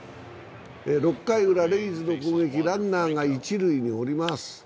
６回ウラ、レイズの攻撃、ランナーが一塁におります。